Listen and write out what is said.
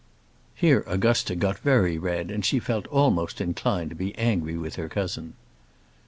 [Here Augusta got very red, and she felt almost inclined to be angry with her cousin.